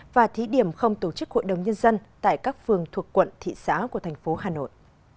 và thí điểm không tổ chức hội đồng nhân dân tại các phường thuộc quận thị xã của thành phố hà nội